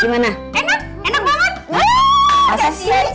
ini udah kue buat dolong